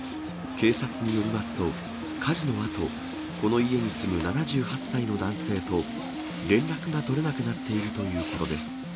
警察によりますと、火事のあと、この家に住む７８歳の男性と連絡が取れなくなっているということです。